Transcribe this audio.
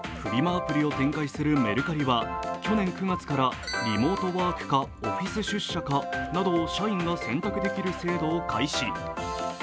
アプリを展開するメルカリは去年９月からリモートワークかオフィス出社かなどを社員が選択できる制度を開始。